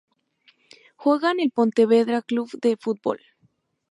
Juega en el Pontevedra Club de Fútbol.